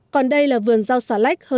còn đây là vườn rau xà lách